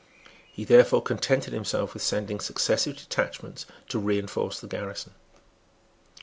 He therefore contented himself with sending successive detachments to reinforce the garrison.